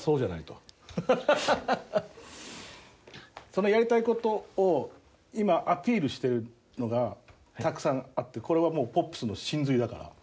そのやりたい事を今アピールしてるのがたくさんあってこれはもうポップスの神髄だから。